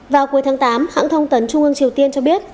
vào cuối tháng tám hãng thông tấn trung ương triều tiên cho biết